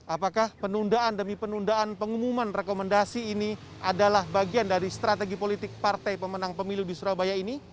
apakah penundaan demi penundaan pengumuman rekomendasi ini adalah bagian dari strategi politik partai pemenang pemilu di surabaya ini